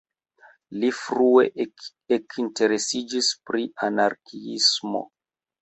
Li frue ekinteresiĝis pri anarkiismo.